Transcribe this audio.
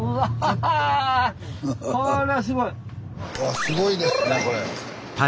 あすごいですねこれ。